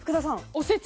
おせち。